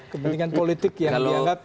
kepentingan politik yang dianggap